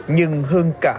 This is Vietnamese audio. nhưng hơn tầm